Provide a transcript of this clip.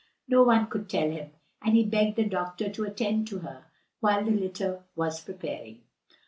No one could tell him, and he begged the doctor to attend to her while the litter was preparing.